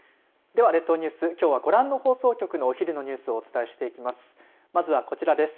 では列島ニュースきょうはご覧の放送局のお昼のニュースをお伝えしていきます。